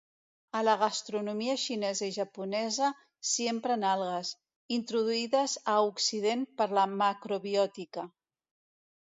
A la gastronomia xinesa i japonesa s'hi empren algues, introduïdes a Occident per la macrobiòtica.